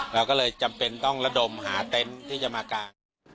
เราก็เลยจำเป็นต้องระดมหาเต็นต์ที่จะมากาง